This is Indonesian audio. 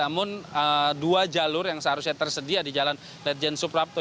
namun dua jalur yang seharusnya tersedia di jalan ledjen suprapto